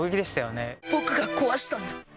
僕が壊したんだ。